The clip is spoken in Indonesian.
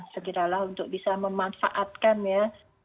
segeralah untuk bisa memanfaatkan ya